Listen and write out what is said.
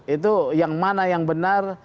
itu yang mana yang benar